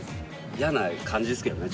いやな感じですけどね